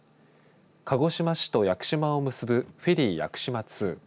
鹿児島市と屋久島を結ぶフェリー屋久島２。